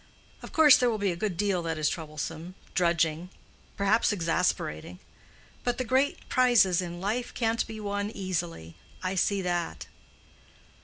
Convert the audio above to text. Of course there will be a good deal that is troublesome, drudging, perhaps exasperating. But the great prizes in life can't be won easily—I see that."